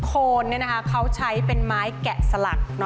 โคนเขาใช้เป็นไม้แกะสลัก